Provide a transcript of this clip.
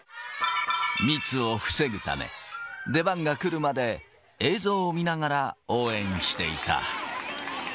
密を防ぐため、出番が来るまで、映像を見ながら応援していた。